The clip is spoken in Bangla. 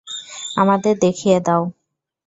আমাদের দেখিয়ে দাও।